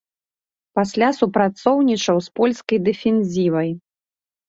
Пасля супрацоўнічаў з польскай дэфензівай.